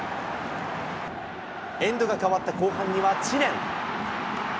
エンドが変わった後半には知念。